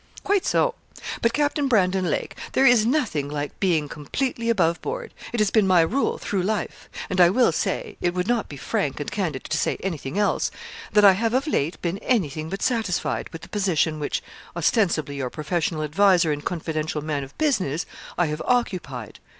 'Quite so. But, Captain Brandon Lake, there is nothing like being completely above board it has been my rule through life; and I will say it would not be frank and candid to say anything else that I have of late been anything but satisfied with the position which, ostensibly your professional adviser and confidential man of business, I have occupied.